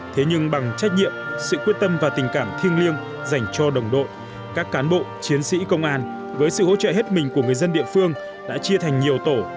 thế nhưng bằng trách nhiệm sự quyết tâm và tình cảm thiêng liêng dành cho đồng đội các cán bộ chiến sĩ công an với sự hỗ trợ hết mình của người dân địa phương đã chia thành nhiều tổ